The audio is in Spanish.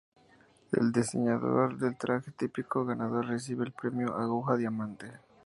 El diseñador del traje típico ganador recibe el premio "Aguja Diamante".